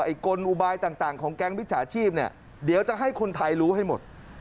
กลอุบายต่างของแก๊งมิจฉาชีพเนี่ยเดี๋ยวจะให้คนไทยรู้ให้หมด